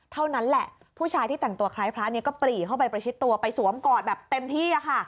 เท่านั้นแหละผู้ชายที่แต่งตัวคล้ายพระเนี่ยก็ปรีเข้าไปประชิดตัวไปสวมกอดแบบเต็มที่ค่ะ